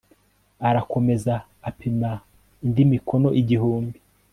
arakomeza apima indi mikono igihumbi